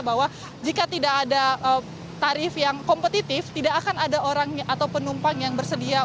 bahwa jika tidak ada tarif yang kompetitif tidak akan ada orang atau penumpang yang bersedia